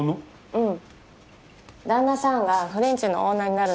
うん。